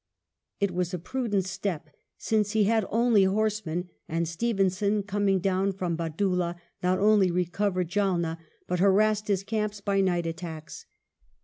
It was a prudent step, since he had only horsemen, and Stevenson, coming down from Badoolah, not only re covered Jaulna but harassed his camps by night attacks.